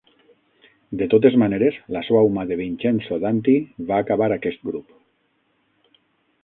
De totes maneres, la suau mà de Vincenzo Danti va acabar aquest grup.